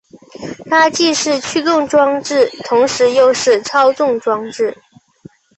它既是驱动装置同时又是操纵装置。